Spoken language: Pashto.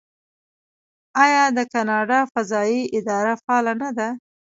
آیا د کاناډا فضایی اداره فعاله نه ده؟